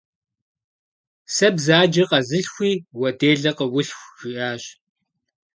«Сэ бзаджэ къэзылъхуи, уэ делэ къыулъху», - жиӀащ.